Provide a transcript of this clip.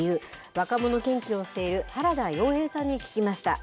若者研究をしている原田曜平さんに聞きました。